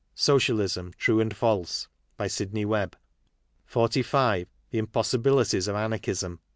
Socialism: True and False. By Sidney Webb. 45. The Impossibilities ol Anarchism.